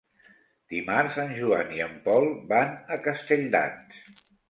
Dimarts en Joan i en Pol van a Castelldans.